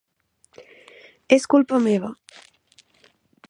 És culpa meva!